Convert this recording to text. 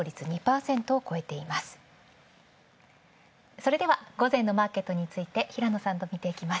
それでは午前のマーケットについて平野さんとみていきます。